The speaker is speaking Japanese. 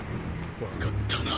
分かったな？